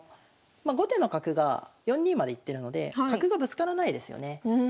まあ後手の角が４二までいってるので角がぶつからないですよね。